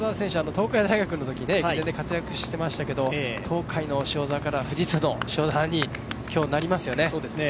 塩澤選手は東海大学のとき駅伝で活躍してましたけれども、東海の塩澤から富士通の塩澤に、今日なりますよね。